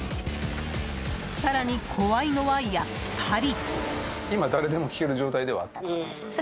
更に、怖いのはやっぱり。